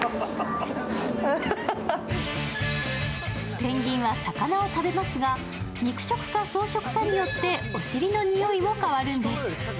ペンギンは魚を食べますが、肉食か草食かによってお尻のにおいも変わるんです。